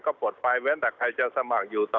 ก็ปลดไปเว้นแต่ใครจะสมัครอยู่ต่อ